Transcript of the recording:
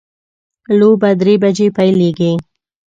لوبه درې بجې پیلیږي